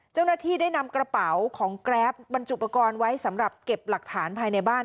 เจ้าหน้าที่ได้นำกระเป๋าของแกรปบรรจุปกรณ์ไว้สำหรับเก็บหลักฐานภายในบ้าน